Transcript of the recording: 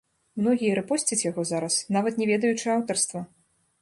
Многія рэпосцяць яго зараз, нават не ведаючы аўтарства.